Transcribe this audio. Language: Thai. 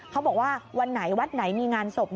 เขาบอกว่าวันไหนวัดไหนมีงานศพ